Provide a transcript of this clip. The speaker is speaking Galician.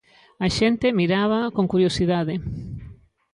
A xente mirábaa con curiosidade.